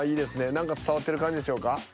何か伝わってる感じでしょうか？